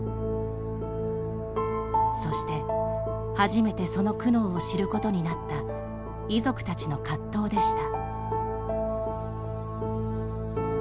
そして初めて、その苦悩を知ることになった遺族たちの葛藤でした。